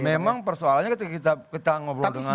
memang persoalannya ketika kita ngobrol dengan